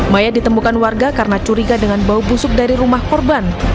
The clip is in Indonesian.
mayat ditemukan warga karena curiga dengan bau busuk dari rumah korban